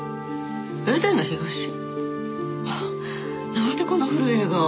なんでこんな古い映画を。